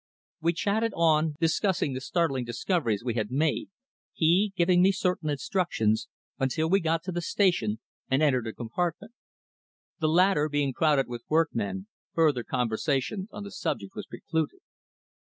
We chatted on, discussing the startling discoveries we had made, he giving me certain instructions, until we got to the station and entered a compartment. The latter being crowded with workmen, further conversation on the subject was precluded.